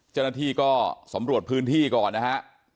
เจ้าหน้าที่ก็สำรวจพื้นที่ก่อนนะฮะ